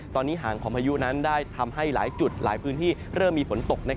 ตอนนี้หางของพายุนั้นได้ทำให้หลายจุดหลายพื้นที่เริ่มมีฝนตก